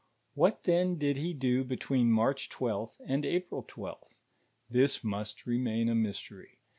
What then did he do b«> tween March 12th, and April 12th I This must remain a mystery.